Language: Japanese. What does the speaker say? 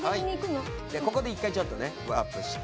ここで一回ちょっとねワープして。